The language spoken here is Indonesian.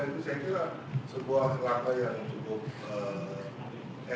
itu saya kira sebuah langkah yang cukup